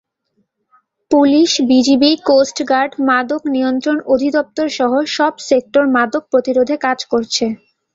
Police, BGB, coastguard, মাদক নিয়ন্ত্রণ অধিদপ্তরসহ সব–সেক্টর মাদক প্রতিরোধে কাজ করছে।